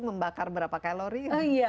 membakar berapa kalori